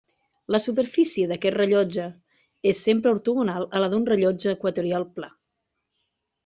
La superfície d'aquest rellotge és sempre ortogonal a la d'un rellotge equatorial pla.